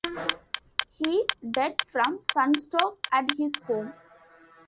He died from sunstroke at his home.